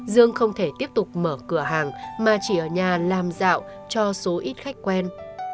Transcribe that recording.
dương không thể tiếp tục mở cửa hàng mà chỉ ở nhà làm dạo cho số ít khách quen